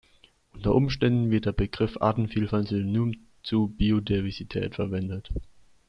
Unter Umständen wird der Begriff „Artenvielfalt“ synonym zu Biodiversität verwendet.